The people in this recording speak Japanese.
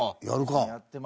やるか。